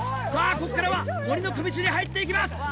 ここからは森の小道に入っていきます！